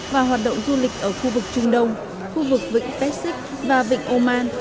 và hoạt động du lịch ở khu vực trung đông khu vực vịnh pesik và vịnh oman